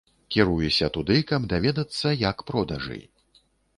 Кіруюся туды, каб даведацца, як продажы.